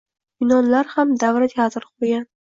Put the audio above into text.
Yunonlar ham davra teatri qurgan